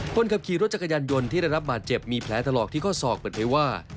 คนขับขี่รถจักรยานยนต์ที่ได้รับบาดเจ็บมีแผลถลอกที่ข้อศอกเปิดเผยว่า